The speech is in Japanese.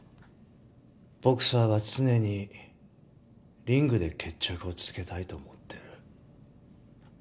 ボクサーは常にリングで決着をつけたいと思ってる。